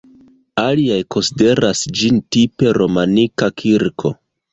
Aliaj konsideras ĝin tipe romanika kirko.